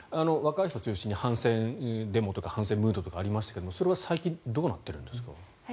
若い人中心に反戦デモとか反戦ムードとかありましたけどそれは最近どうなってるんですか。